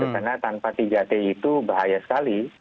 karena tanpa tiga t itu bahaya sekali